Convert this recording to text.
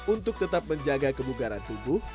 untuk tetap menjaga kebugaran tubuh